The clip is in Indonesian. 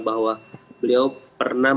bahwa beliau pernah